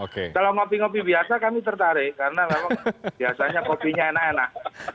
kalau ngopi ngopi biasa kami tertarik karena memang biasanya kopinya enak enak